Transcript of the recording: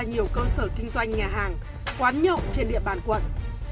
nhiều cơ sở kinh doanh nhà hàng quán nhậu trên địa bàn quận